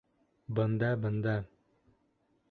Бында, бында.